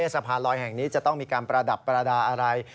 สะพานลอยแห่งนี้จะต้องมีการประดับประดาษอะไร